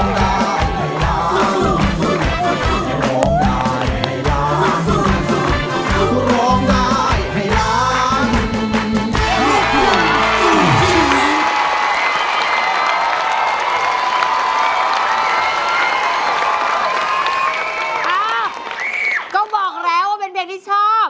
อ่ะก็บอกแล้วว่าเป็นเพลงที่ชอบ